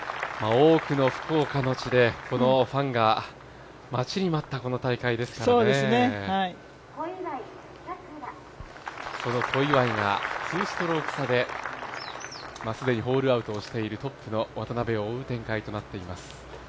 多くの福岡の地で、このファンが待ちに待った、この大会ですからねその小祝が２ストローク差で既にホールアウトをしているトップの渡邉を追う展開となっています。